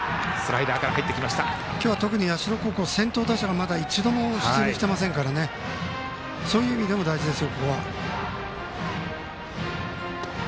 今日は特に社高校先頭打者がまだ一度も出塁していませんからそういう意味でも大事ですよ。